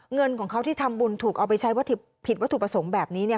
เงินของเขาที่ทำบุญถูกเอาไปใช้วัตถุผิดวัตถุประสงค์แบบนี้เนี่ย